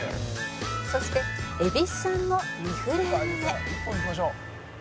「そして蛭子さんの２フレーム目」